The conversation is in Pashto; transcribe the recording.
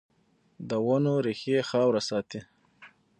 د ونو ریښې خاوره ساتي